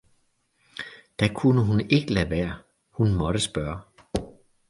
da kunne hun ikke lade være, hun måtte spørge.